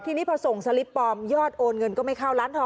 ทีนี้พอส่งสลิปปลอมยอดโอนเงินก็ไม่เข้าร้านทอง